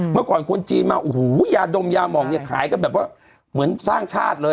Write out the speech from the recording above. เมื่อก่อนคนจีนมาโอ้โหยาดมยามองเนี่ยขายกันแบบว่าเหมือนสร้างชาติเลย